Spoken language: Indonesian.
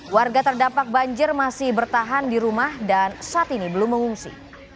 warga terdampak banjir masih bertahan di rumah dan saat ini belum mengungsi